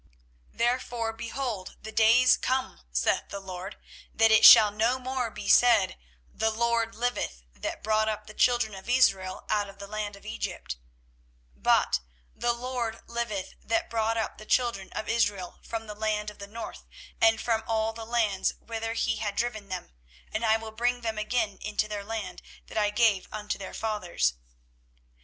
24:016:014 Therefore, behold, the days come, saith the LORD, that it shall no more be said, The LORD liveth, that brought up the children of Israel out of the land of Egypt; 24:016:015 But, The LORD liveth, that brought up the children of Israel from the land of the north, and from all the lands whither he had driven them: and I will bring them again into their land that I gave unto their fathers.